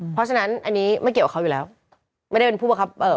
เพราะฉะนั้นอันนี้ไม่เกี่ยวกับเขาอยู่แล้ว